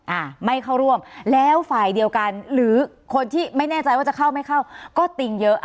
อ่าไม่เข้าร่วมแล้วฝ่ายเดียวกันหรือคนที่ไม่แน่ใจว่าจะเข้าไม่เข้าก็ติงเยอะ